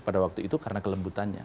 pada waktu itu karena kelembutannya